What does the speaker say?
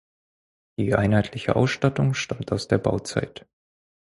Die einheitliche Ausstattung stammt aus der Bauzeit.